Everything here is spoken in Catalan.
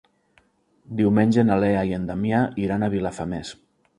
Diumenge na Lea i en Damià iran a Vilafamés.